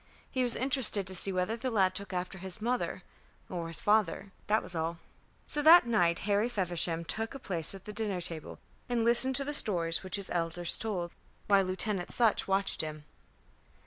He was interested to see whether the lad took after his mother or his father that was all. So that night Harry Feversham took a place at the dinner table and listened to the stories which his elders told, while Lieutenant Sutch watched him.